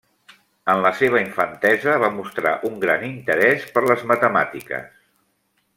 En la seva infantesa va mostrar un gran interès per les matemàtiques.